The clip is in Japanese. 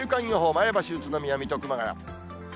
前橋、宇都宮、水戸、熊谷。